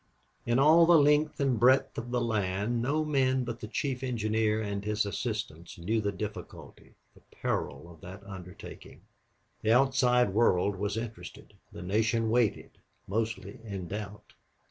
In all the length and breadth of the land no men but the chief engineer and his assistants knew the difficulty, the peril of that undertaking. The outside world was interested, the nation waited, mostly in doubt.